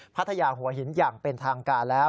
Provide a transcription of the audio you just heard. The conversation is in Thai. พัทยาหัวหินอย่างเป็นทางการแล้ว